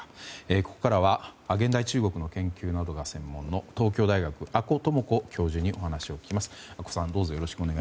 ここからは現代中国の研究などが専門の東京大学阿古智子教授にお話を聞きます。